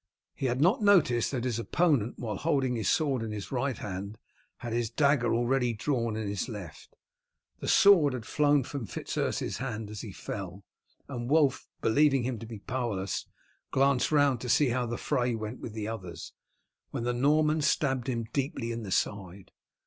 He had not noticed that his opponent, while holding his sword in his right hand, had his dagger already drawn in his left. The sword had flown from Fitz Urse's hand as he fell, and Wulf, believing him to be powerless, glanced round to see how the fray went with the others, when the Norman stabbed him deeply in the side.